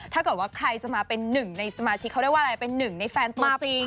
ถ้าเกิดว่าใครจะมาเป็นหนึ่งในสมาชิกเขาเรียกว่าอะไรเป็นหนึ่งในแฟนตัวจริง